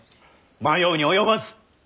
迷うに及ばず！